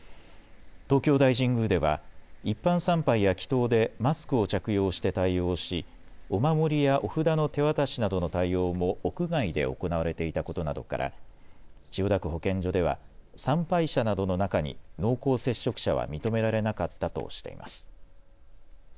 東京大神宮では一般参拝や祈とうでマスクを着用して対応しお守りやお札の手渡しなどの対応も屋外で行われていたことなどから千代田区保健所では参拝者などの中に濃厚接触者は認められなかったとしています。